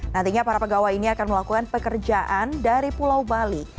nantinya para pegawai ini akan melakukan pekerjaan dari pulau bali